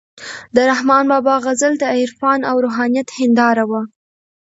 د رحمان بابا غزل د عرفان او روحانیت هنداره وه،